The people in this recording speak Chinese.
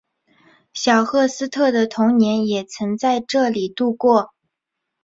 小赫斯特的童年也曾在这里度过。